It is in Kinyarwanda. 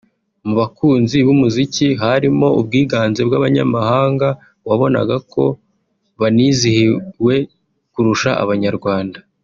mu bakunzi b’umuziki harimo ubwiganze bw’abanyamahanga wabonaga ko banizihiwe kurusha Abanyarwanda